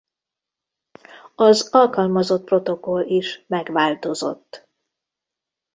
Az alkalmazott protokoll is megváltozott.